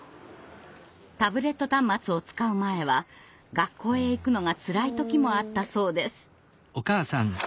タブレット端末を使う前は学校へ行くのがつらい時もあったそうです。